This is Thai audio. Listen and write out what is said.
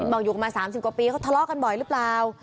เออบอกอยู่มาสามสิบกว่าปีเขาทะเลาะกันบ่อยรึเปล่า